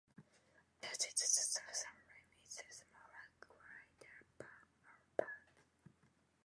Attached to the southern rim is the smaller crater van Albada.